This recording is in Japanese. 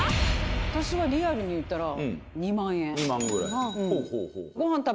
私はリアルに言ったら２万円。